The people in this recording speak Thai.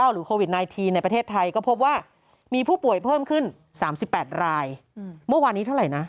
หรือโควิด๑๙ในประเทศไทยก็พบว่ามีผู้ป่วยเพิ่มขึ้น๓๘รายเมื่อวานนี้เท่าไหร่นะ